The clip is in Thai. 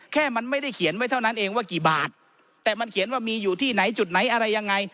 แค่มันไม่ได้เขียนไว้เท่านั้นเองว่ากี่บาทแต่มันเขียนว่ามีอยู่ที่ไหนจุดไหนอะไรยังไง